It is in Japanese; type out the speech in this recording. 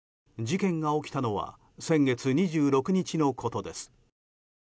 事件が起きたのは先月２６日のことです。